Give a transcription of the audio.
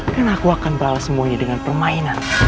karena aku akan balas semuanya dengan permainan